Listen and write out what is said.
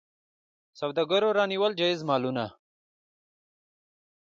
سوداګرو رانیول جایز مالونه.